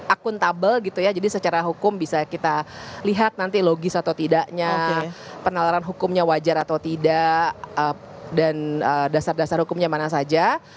akuntabel gitu ya jadi secara hukum bisa kita lihat nanti logis atau tidaknya penalaran hukumnya wajar atau tidak dan dasar dasar hukumnya mana saja